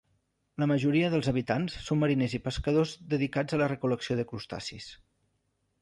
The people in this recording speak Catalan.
La majoria dels habitants són mariners i pescadors dedicats a la recol·lecció de crustacis.